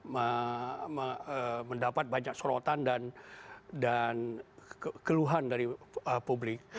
mendapat banyak sorotan dan keluhan dari publik